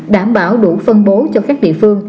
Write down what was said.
đảm bảo đủ phân bố cho các địa phương